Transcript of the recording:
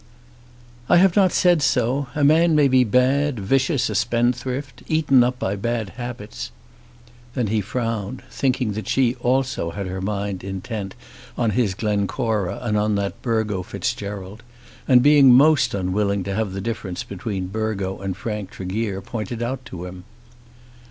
"I have not said so. A man may be bad, vicious, a spendthrift, eaten up by bad habits." Then he frowned, thinking that she also had her mind intent on his Glencora and on that Burgo Fitzgerald, and being most unwilling to have the difference between Burgo and Frank Tregear pointed out to him.